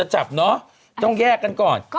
จับเนอะต้องแยกกันก่อน